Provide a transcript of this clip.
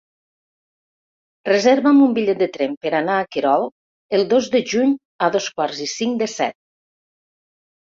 Reserva'm un bitllet de tren per anar a Querol el dos de juny a dos quarts i cinc de set.